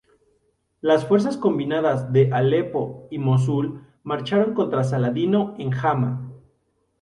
Las fuerzas combinadas de Alepo y Mosul marcharon contra Saladino en Hama.